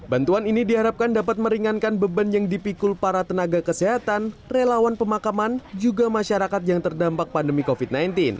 bantuan ini diharapkan dapat meringankan beban yang dipikul para tenaga kesehatan relawan pemakaman juga masyarakat yang terdampak pandemi covid sembilan belas